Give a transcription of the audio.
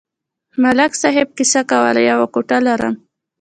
ملک صاحب کیسه کوله: یوه کوټه لرم.